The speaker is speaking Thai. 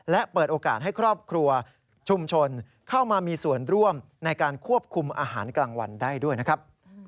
และเปิดโอกาสให้ครอบครัวชุมชนเข้ามามีส่วนร่วมในการควบคุมอาหารกลางวันได้ด้วยนะครับ